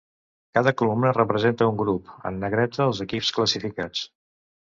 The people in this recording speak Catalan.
Cada columna representa un grup; en negreta els equips classificats.